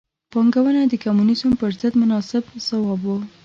پانګونه د کمونیزم پر ضد مناسب ځواب و.